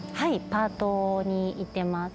パートに行ってます。